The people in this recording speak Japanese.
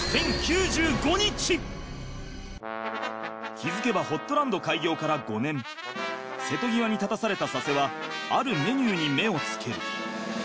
気づけばホットランド瀬戸際に立たされた佐瀬はあるメニューに目を付ける。